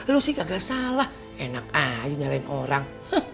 lo sih agak salah enak aja nyalain orang